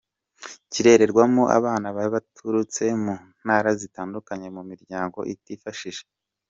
Kirererwamo abana baturutse mu Ntara zitandukanye mu miryango itifashije.